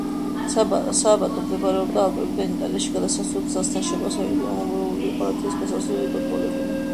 სააბატო მდებარეობდა ალპებიდან იტალიაში გადასასვლელ გზასთან, შესაბამისად ის გამაგრებული იყო, რათა ეს გასასვლელი ეკონტროლებინა.